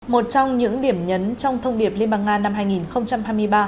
một trong những điểm nhấn trong thông điệp liên bang nga năm hai nghìn hai mươi ba